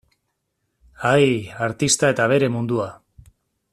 Ai, artista eta bere mundua.